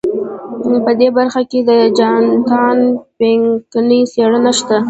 په دې برخه کې د جاناتان پینکني څېړنه شته.